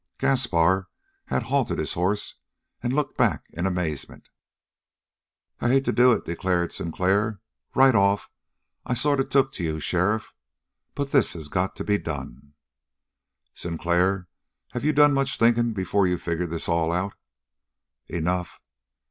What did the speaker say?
Gaspar had halted his horse and looked back in amazement. "I hate to do it," declared Sinclair. "Right off I sort of took to you, sheriff. But this has got to be done." "Sinclair, have you done much thinking before you figured this all out?" "Enough!